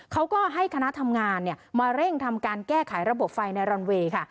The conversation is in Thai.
เขาก็ให้คณะทำงานมาเร่งทำการแก้ไขระบบไฟในรันเวย์ค่ะ